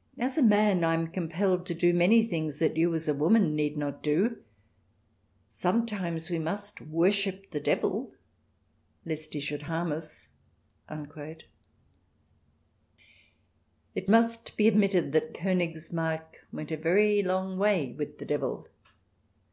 ... As a man, I am compelled to do many things that you, as a woman, need not do. ... Sometimes we must worship the devil, lest he should harm us." It must be admitted that Konigsmarck went a very long way with the devil.